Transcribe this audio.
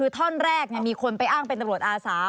ท่อนแรกมีคนไปอ้างเป็นตำรวจอาสา